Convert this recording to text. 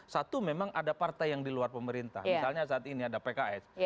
satu memang ada partai yang di luar pemerintah misalnya saat ini ada pks